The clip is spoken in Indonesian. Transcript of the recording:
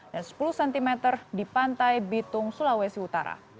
dan sepuluh cm di pantai bitung sulawesi utara